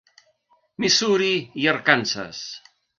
Missouri i Arkansas.